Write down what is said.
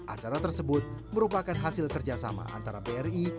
acara tersebut merupakan hasil kerjasama antara bri